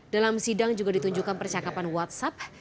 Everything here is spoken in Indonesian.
dalam sidang juga ditunjukkan percakapan whatsapp